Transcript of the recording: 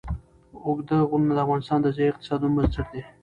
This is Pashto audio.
اوږده غرونه د افغانستان د ځایي اقتصادونو بنسټ دی.